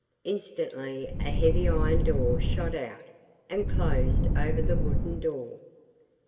Instantly a heavy iron door shot out and closed over the wooden door.